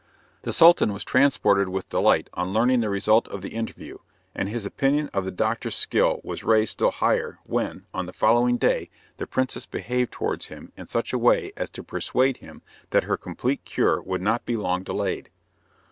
The Sultan was transported with delight on learning the result of the interview, and his opinion of the doctor's skill was raised still higher when, on the following day, the princess behaved towards him in such a way as to persuade him that her complete cure would not be long delayed.